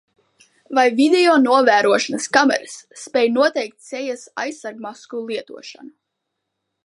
Vai videonovērošanas kameras spēj noteikt sejas aizsargmasku lietošanu?